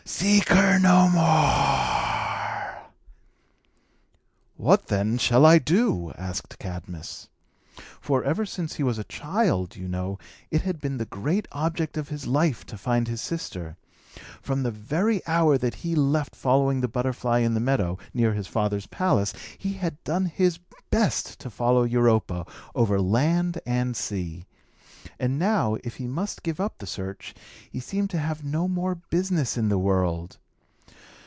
Seek her no more!" "What, then, shall I do?" asked Cadmus. For, ever since he was a child, you know, it had been the great object of his life to find his sister. From the very hour that he left following the butterfly in the meadow, near his father's palace, he had done his best to follow Europa, over land and sea. And now, if he must give up the search, he seemed to have no more business in the world.